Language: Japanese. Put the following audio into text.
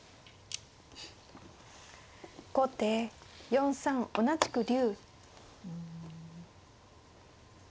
後手４三同じく竜。